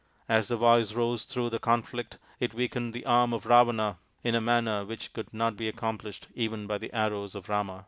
As the voice rose through the conflict it weakened the arm of Ravana in a manner which could not be accomplished even by the arrows of Rama.